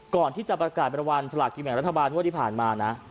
ก่อนที่จะประกาศเป็นวันสลากกิโมงรัฐบาลนั่วที่ผ่านมานะ